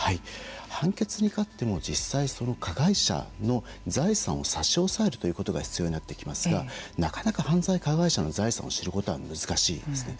判決に勝っても実際、加害者の財産を差し押さえるということが必要になってきますがなかなか犯罪加害者の財産を知ることは難しいですね。